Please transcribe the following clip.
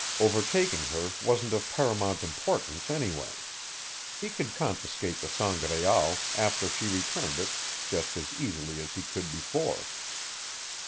Overtaking her wasn't of paramount importance anyway: he could confiscate the Sangraal after she returned it just as easily as he could before.